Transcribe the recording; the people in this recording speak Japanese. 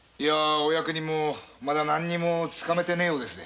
お役人も何にもつかめてないようですね。